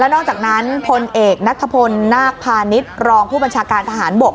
นอกจากนั้นพลเอกนัทพลนาคพาณิชย์รองผู้บัญชาการทหารบก